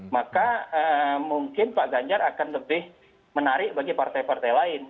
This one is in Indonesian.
maka mungkin pak ganjar akan lebih menarik bagi partai partai lain